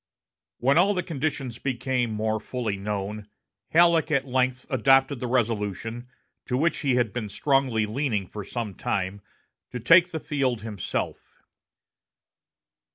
When all the conditions became more fully known, Halleck at length adopted the resolution, to which he had been strongly leaning for some time, to take the field himself.